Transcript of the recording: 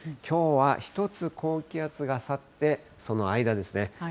きょうは１つ高気圧が去って、その間ですね。